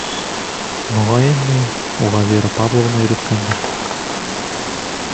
Моғайын, ни, уға Вера Павловна өйрәткәндер.